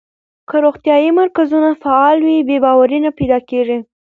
که روغتیايي مرکزونه فعال وي، بې باوري نه پیدا کېږي.